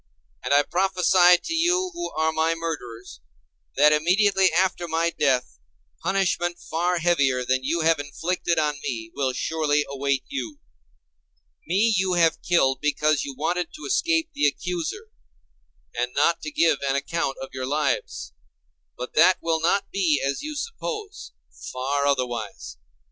And I prophesy to you who are my murderers, that immediately after my death punishment far heavier than you have inflicted on me will surely await you. Me you have killed because you wanted to escape the accuser, and not to give an account of your lives. But that will not be as you suppose: far otherwise.